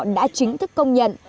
đã chính thức công nhận